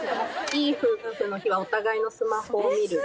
「いいふうふの日はお互いのスマホをみる」